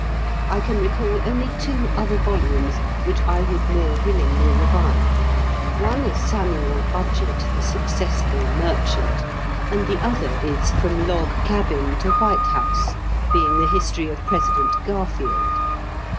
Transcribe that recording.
I can recall only two other volumes which I would more willingly revile. One is Samuel Budgett: The Successful Merchant, and the other is From Log Cabin to White House, being the history of President Garfield.